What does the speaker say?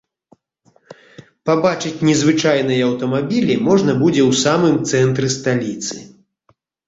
Пабачыць незвычайныя аўтамабілі можна будзе ў самым цэнтры сталіцы.